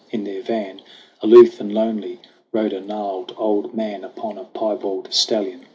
In their van Aloof and lonely rode a gnarled old man Upon a piebald stallion.